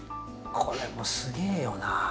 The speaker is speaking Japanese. これもすげえよなぁ。